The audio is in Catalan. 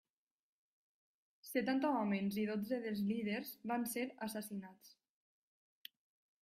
Setanta homes i dotze dels líders van ser assassinats.